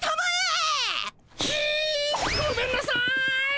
ひっごめんなさい。